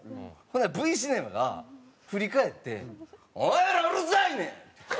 ほんならＶシネマが振り返って「お前らうるさいねん！」。